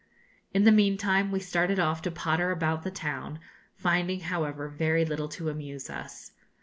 In the meantime we started off to potter about the town, finding, however, very little to amuse us.